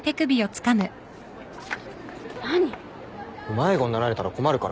迷子になられたら困るから。